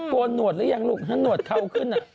กรนหนวดรึยังลูกถ้าหนวดเขาขึ้นน่ะ